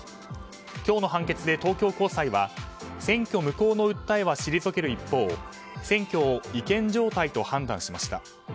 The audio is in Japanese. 今日の判決で、東京高裁は選挙無効の訴えは退ける一方選挙を違憲状態と判断しました。